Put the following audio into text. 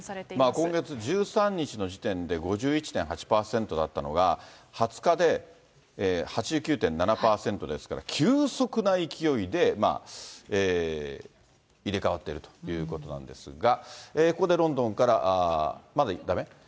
今月１３日の時点で５１．８％だったのが、２０日で８９．７％ですから、急速な勢いで入れ代わっているということなんですが、ここでロンドンから、まだだめ？